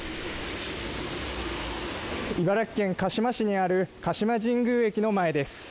茨城県鹿島にある鹿島神宮駅の前です。